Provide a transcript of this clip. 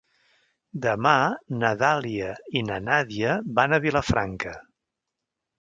Demà na Dàlia i na Nàdia van a Vilafranca.